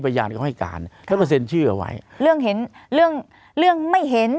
พยานเขาให้การเขาก็เซ็นชื่อเอาไว้เรื่องเห็นเรื่องเรื่องไม่เห็น